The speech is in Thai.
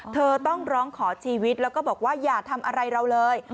เธอต้องร้องขอชีวิตแล้วก็บอกว่าอย่าทำอะไรเราเลย